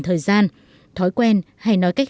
thời gian thói quen hay nói cách